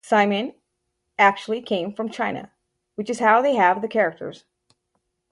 Saimin actually came from China which is how they have the characters.